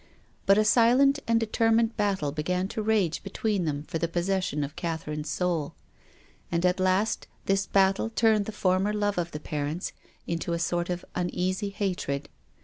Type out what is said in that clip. But a silent and determined battle began to rage between them for the possession of Catherine's soul. And, at last, this battle turned the former love of the parents mto a sort of uneasy hatred.